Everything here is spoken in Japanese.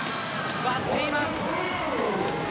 割っています。